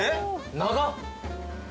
長っ。